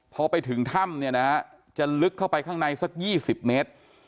พอไปถึงถ้ำเนี่ยนะฮะจะลึกเข้าไปข้างในสัก๒๐เมตร